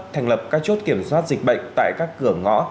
thành lập các chốt kiểm soát dịch bệnh tại các cửa ngõ